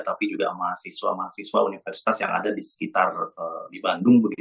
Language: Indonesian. tapi juga mahasiswa mahasiswa universitas yang ada di sekitar di bandung